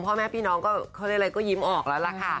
พ่อแม่พี่น้องก็เขาเรียกอะไรก็ยิ้มออกแล้วล่ะค่ะ